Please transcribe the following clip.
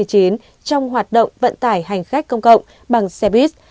trong hoạt động vận tải hành khách công cộng bằng xe buýt